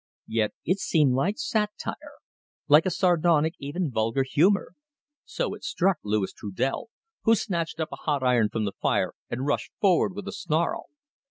Yet it seemed like satire, like a sardonic, even vulgar, humour. So it struck Louis Trudel, who snatched up a hot iron from the fire and rushed forward with a snarl.